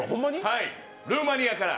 はい、ルーマニアから。